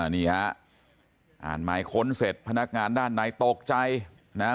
นี่ฮะอ่านหมายค้นเสร็จพนักงานด้านในตกใจนะฮะ